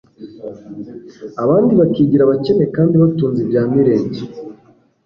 abandi bakigira abakene, kandi batunze ibya mirenge